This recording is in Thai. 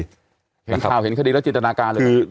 เห็นข่าวเห็นคณีและจิตนาการเลยเหรอครับ